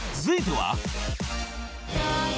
［続いては］